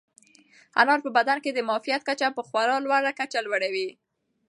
انار په بدن کې د معافیت کچه په خورا لوړه کچه لوړوي.